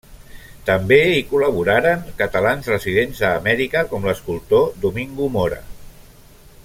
També hi col·laboraren catalans residents a Amèrica, com l'escultor Domingo Mora.